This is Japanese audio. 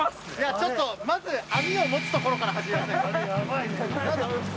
ちょっとまず網を持つところから始めませんか？